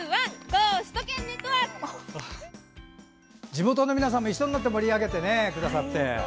地元の皆さんも一緒になって盛り上げてくださって。